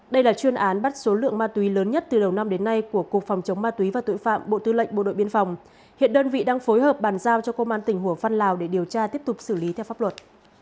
đây là chuyên án bắt số lượng ma túy lớn nhất từ đầu năm đến nay của cục phòng chống ma túy và tội phạm bộ tư lệnh bộ đội biên phòng hiện đơn vị đang phối hợp bàn giao cho công an tỉnh hồ phân lào để điều tra tiếp tục xử lý theo pháp luật